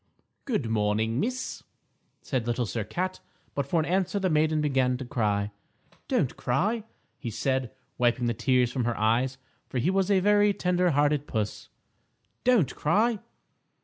"Good morning, Miss," said Little Sir Cat, but for an answer the maiden began to cry. "Don't cry," he said, wiping the tears from her eyes, for he was a very tender hearted puss. "Don't cry."